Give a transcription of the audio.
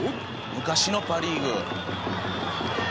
昔のパ・リーグ。